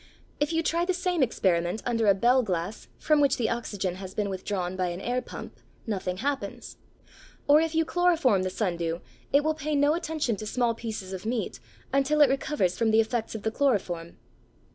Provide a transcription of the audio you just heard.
If you try the same experiment under a bell glass from which the oxygen has been withdrawn by an air pump, nothing happens; or if you chloroform the Sundew it will pay no attention to small pieces of meat until it recovers from the effects of the chloroform.